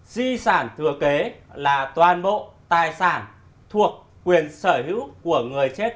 di sản thừa kế là toàn bộ tài sản thuộc quyền sở hữu của người chết